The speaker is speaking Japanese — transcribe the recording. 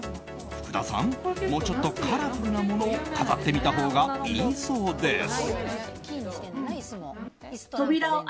福田さん、もうちょっとカラフルなものを飾ってみたほうがいいそうです。